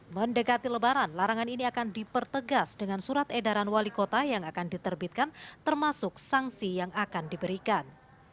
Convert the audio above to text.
mendekati lebaran larangan ini akan dipertegas dengan surat edaran wali kota yang akan diterbitkan termasuk sanksi yang akan diberikan